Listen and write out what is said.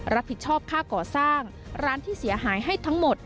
รับผิดชอบค่าก่อสร้างร้านที่เสียหายให้ทั้งหมด